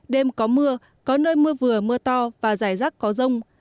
đêm có mưa có nơi mưa vừa mưa to và rải rác có rông